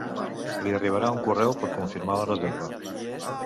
Li arribarà un correu per confirmar la reserva.